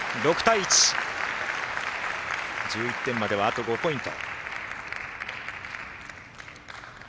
１１点まではあと５ポイント。